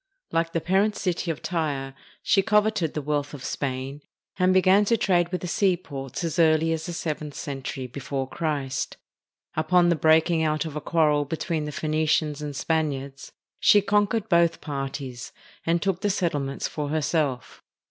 Like the parent city of Tyre, she coveted the wealth of Spain, and began to trade with the seaports as early as the seventh century before Christ. Upon the breaking out of a quarrel be tween the Phoenicians and Spaniards, she conquered both parties, and took the settlements for herself.